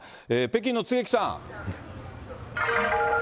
北京の槻木さん。